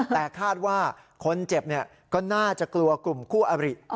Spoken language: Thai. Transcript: แต่คาดว่าคนเจ็บก็น่าจะกลัวกลุ่มคู่อริ